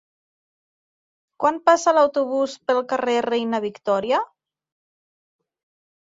Quan passa l'autobús pel carrer Reina Victòria?